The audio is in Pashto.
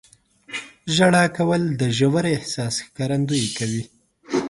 • ژړا کول د ژور احساس ښکارندویي کوي.